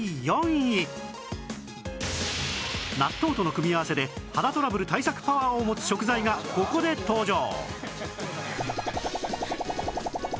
納豆との組み合わせで肌トラブル対策パワーを持つ食材がここで登場